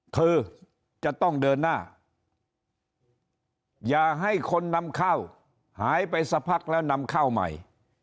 เธอจะต้องเดินหน้าอย่าให้คนนำข้าวหายไปสักพักแล้วนำเข้าใหม่